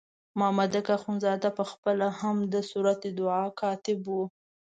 مامدک اخندزاده په خپله هم د صورت دعوا کاتب وو.